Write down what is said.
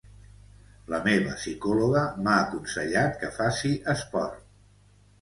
La meva psicòloga m'ha aconsellat que faci esport.